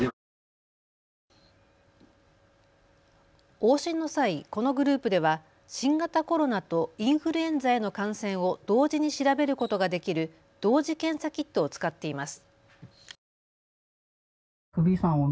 往診の際、このグループでは新型コロナとインフルエンザへの感染を同時に調べることができる同時検査キットを使っています。